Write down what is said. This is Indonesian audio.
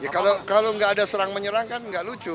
kalau tidak ada serang menyerang kan tidak lucu